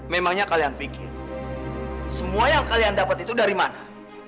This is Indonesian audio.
memangnya kalian pikir semua yang kalian dapat itu dari mana